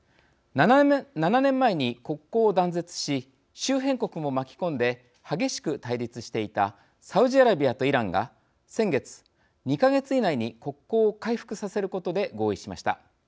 ７年前に国交を断絶し周辺国も巻き込んで激しく対立していたサウジアラビアとイランが先月、２か月以内に国交を回復させることで合意しました。